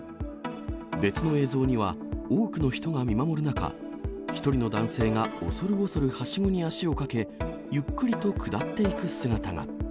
別の映像には、多くの人が見守る中、１人の男性が恐る恐るはしごに足をかけ、ゆっくりと下っていく姿が。